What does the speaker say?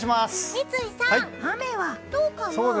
三井さん、雨はどうかな？